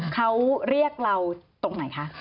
เขาเรียกเราตรงไหนคะ